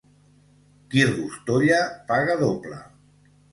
Qui rostolla, paga doble.